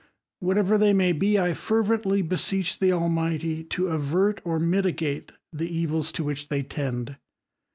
itever they may be, I fervently beseech the Al illy to avert or mitigate the evils to which they itend.